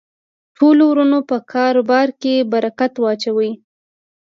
ټولو ورونو په کاربار کی برکت واچوی